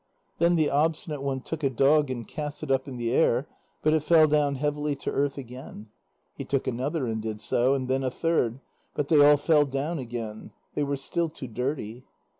Then the Obstinate One took a dog, and cast it up in the air, but it fell down heavily to earth again. He took another and did so, and then a third, but they all fell down again. They were still too dirty.